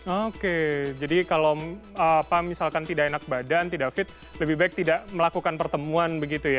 oke jadi kalau misalkan tidak enak badan tidak fit lebih baik tidak melakukan pertemuan begitu ya